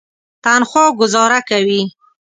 تنخوا ګوزاره کوي.